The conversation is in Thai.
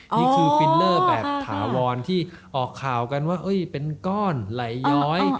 ฟิลเลอร์แบบถาวรที่ออกข่าวกันว่าเป็นก้อนไหลย้อย